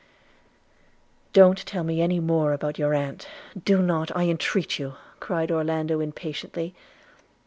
'Don't tell me any more about your aunt, do not, I entreat you,' cried Orlando impatiently.